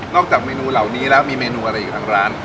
จากเมนูเหล่านี้แล้วมีเมนูอะไรอีกทางร้าน